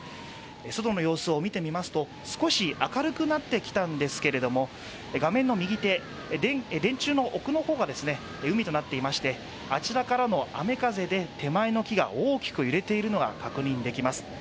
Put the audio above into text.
外の様子を見てみますと、少し明るくなってきたんですけれども、画面の右手電柱の奥の方が海となっていましてあちらからの雨風で手前の木が大きく揺れているのが確認できます。